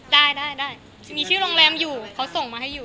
ได้ได้มีชื่อโรงแรมอยู่เขาส่งมาให้อยู่